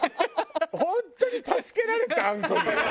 本当に助けられたあんこに。